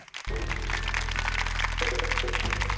สวัสดีครับ